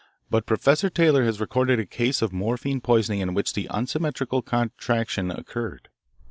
But Professor Taylor has recorded a case of morphine poisoning in which the unsymmetrical contraction occurred.'